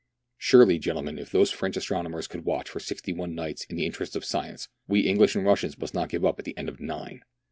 Surely, gentlemen, if those French astronomers could watch for sixty one nights in the interests of science, we English and Russians must not give up at the end of nine."